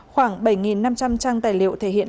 khoảng bảy năm trăm linh trang tài liệu thể hiện